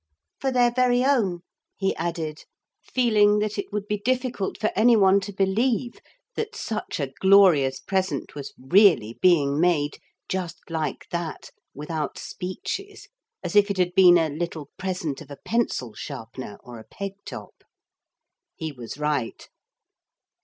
For their very own,' he added, feeling that it would be difficult for any one to believe that such a glorious present was really being made just like that, without speeches, as if it had been a little present of a pencil sharpener or a peg top. He was right.